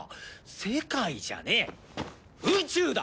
世界じゃねえ宇宙だ！